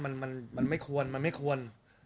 มันมันไม่ควรมันไม่ควร